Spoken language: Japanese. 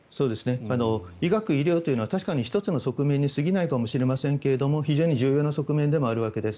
医学、医療というのは確かに１つの側面にすぎないかもしれませんが非常に重要な側面でもあるわけです。